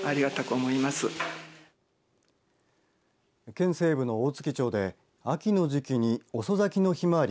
県西部の大月町で秋の時期に遅咲きのひまわり